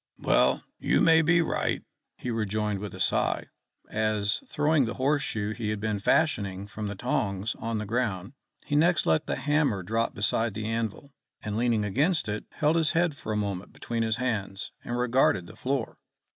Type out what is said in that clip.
"Well, you may be right," he rejoined with a sigh, as, throwing the horse shoe he had been fashioning from the tongs on the ground, he next let the hammer drop beside the anvil, and leaning against it held his head for a moment between his hands, and regarded the floor.